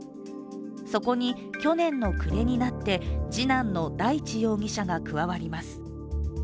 そこに去年の暮れになって、次男の大地容疑者が加わります。